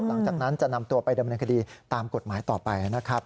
หลังจากนั้นจะนำตัวไปดำเนินคดีตามกฎหมายต่อไปนะครับ